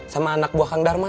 sama anak buah kang dharma